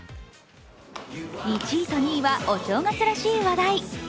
１位と２位は、お正月らしい話題。